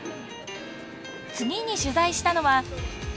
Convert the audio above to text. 次に取材したのは。